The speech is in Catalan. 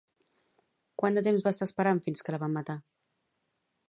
Quant de temps va estar esperant fins que la van matar?